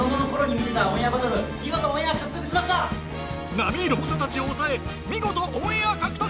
並みいる猛者たちを抑え見事オンエア獲得！